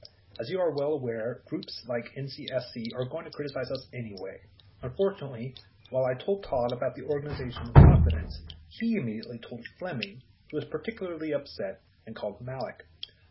As you are well aware, groups like NCSC are going to criticize us anyway. Unfortunately, while I told Todd about the organization in confidence, he immediately told Flemming, who was particularly upset and called Malek.